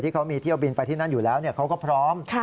เขามีเที่ยวบินไปที่นั่นอยู่แล้วเขาก็พร้อม